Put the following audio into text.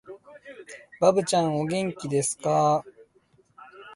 ばぶちゃん、お元気ですかー